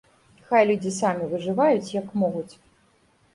Хай людзі самі выжываюць, як могуць.